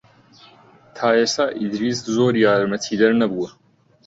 تا ئێستا ئیدریس زۆر یارمەتیدەر نەبووە.